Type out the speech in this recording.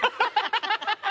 ハハハハ！